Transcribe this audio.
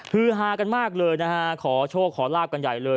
คือฮากันมากเลยนะฮะขอโชคขอลาบกันใหญ่เลย